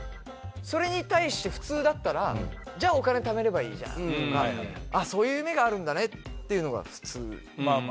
それに対して普通だったら「じゃあお金ためればいいじゃん」とか「そういう夢があるんだね」っていうのが普通ですよね。